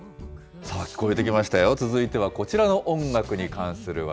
さあ、聴こえてきましたよ、続いてはこちらの音楽に関する話題。